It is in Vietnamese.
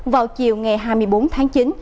vào chiều ngày hai mươi bốn tháng chín